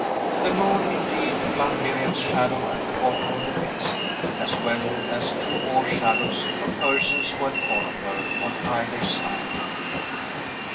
The moon, indeed, flung Miriam's shadow at the bottom of the basin, as well as two more shadows of persons who had followed her, on either side.